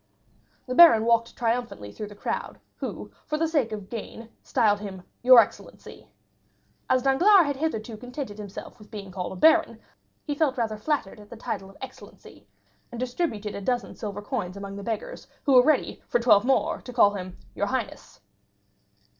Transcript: The baron walked triumphantly through the crowd, who for the sake of gain styled him "your excellency." As Danglars had hitherto contented himself with being called a baron, he felt rather flattered at the title of excellency, and distributed a dozen silver coins among the beggars, who were ready, for twelve more, to call him "your highness."